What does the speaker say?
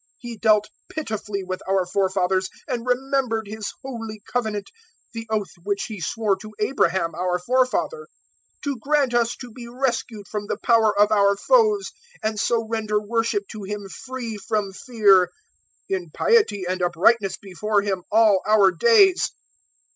001:072 He dealt pitifully with our forefathers, And remembered His holy covenant, 001:073 The oath which He swore to Abraham our forefather, 001:074 To grant us to be rescued from the power of our foes And so render worship to Him free from fear, 001:075 In piety and uprightness before Him all our days.